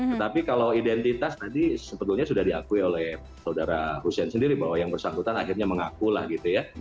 tetapi kalau identitas tadi sebetulnya sudah diakui oleh saudara hussein sendiri bahwa yang bersangkutan akhirnya mengaku lah gitu ya